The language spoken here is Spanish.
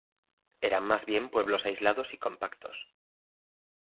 Eran más bien pueblos aislados y compactos.